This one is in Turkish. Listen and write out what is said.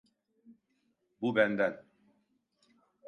Bu benden.